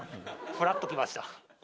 ふらっと来ました。